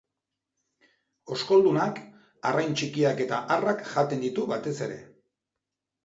Oskoldunak, arrain txikiak eta harrak jaten ditu batez ere.